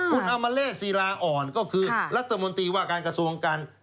คุณอมเล่ศิลาอ่อนก็คือรัฐมนตรีว่าการกระทรวงการ